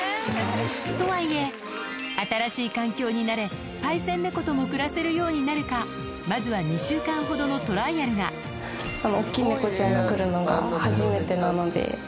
とはいえ新しい環境に慣れパイセン猫とも暮らせるようになるかまずは２週間ほどのトライアルが大っきい猫ちゃんが来るのが初めてなので。